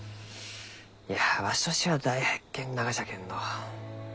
いやわしとしては大発見ながじゃけんど。